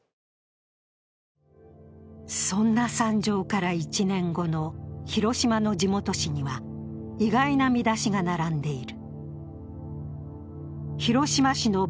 そんな惨状から１年後の広島の地元紙には意外な見出しが並んでいる。